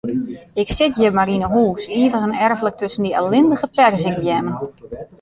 Ik sit hjir mar yn 'e hûs, ivich en erflik tusken dy ellindige perzikbeammen.